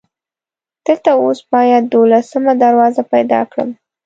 دلته اوس باید دولسمه دروازه پیدا کړم.